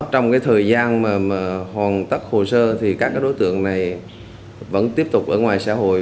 trong thời gian hoàn tất hồ sơ thì các đối tượng này vẫn tiếp tục ở ngoài xã hội